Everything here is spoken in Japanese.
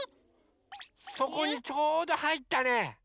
そこにちょうどはいったね。